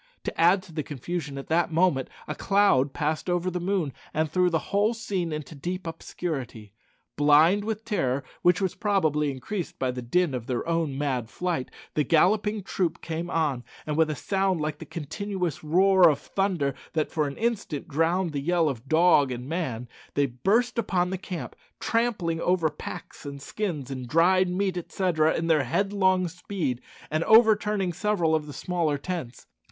To add to the confusion at that moment, a cloud passed over the moon and threw the whole scene into deep obscurity. Blind with terror, which was probably increased by the din of their own mad flight, the galloping troop came on, and with a sound like the continuous roar of thunder that for an instant drowned the yell of dog and man they burst upon the camp, trampling over packs and skins, and dried meat, etc., in their headlong speed, and overturning several of the smaller tents.